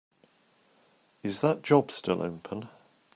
Is that job still open?